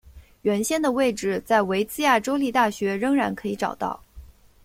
原先的位置在维兹亚州立大学仍然可以找到。